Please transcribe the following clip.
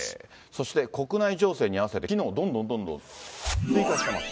そして国内情勢に合わせて機能をどんどんどんどん追加してます。